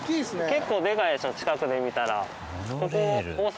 結構でかいでしょ近くで見たら。